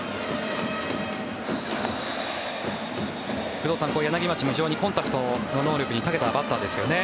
工藤さん、柳町も非常にコンタクトの能力にたけたバッターですよね。